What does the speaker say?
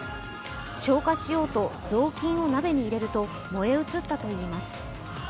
消火しようとぞうきんを鍋に入れると燃え移ったといいます。